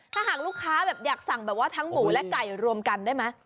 ถ้าหากลูกค้าแบบอยากสั่งแบบว่าทั้งหมูและไก่รวมกันได้ไหม